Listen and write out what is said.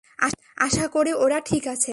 আশা করি, ওরা ঠিক আছে!